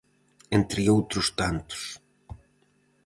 Entre outros tantos.